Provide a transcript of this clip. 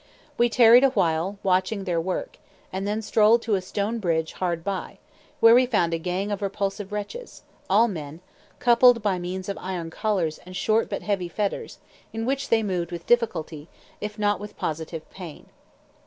We tarried awhile, watching their work, and then strolled to a stone bridge hard by, where we found a gang of repulsive wretches, all men, coupled by means of iron collars and short but heavy fetters, in which they moved with difficulty, if not with positive pain.